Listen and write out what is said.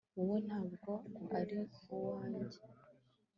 wowe, ntabwo ari uwanjye